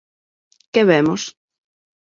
¿Que vemos?